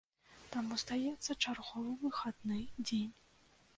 Таму, здаецца, чарговы выхадны дзень.